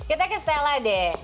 kita ke stella deh